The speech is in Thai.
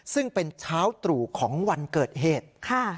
ซึ่งเป็นเช้าตรู่ของวันเกิดเหตุ